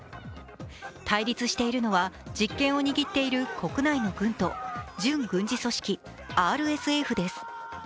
対立しているのは、実権を握っている国内の軍と準軍事組織ＲＳＦです。